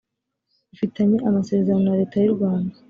ufitanye amasezerano na leta y u rwanda